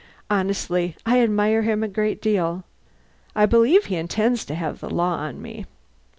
Honestly, I admire him a great deal. I believe he intends to have the law on me.